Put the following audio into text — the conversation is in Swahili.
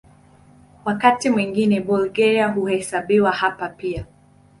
Wakati mwingine Bulgaria huhesabiwa hapa pia.